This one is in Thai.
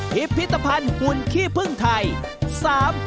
พิพิธภัณฑ์หุ่นขี้พึ่งไทย